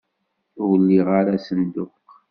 Ur liɣ ara asenduq.